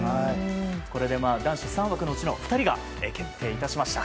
これで男子３枠のうちの２人が決定しました。